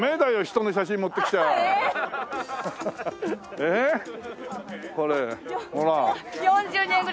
ええこれほら。